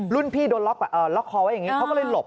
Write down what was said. พี่โดนล็อกคอไว้อย่างนี้เขาก็เลยหลบ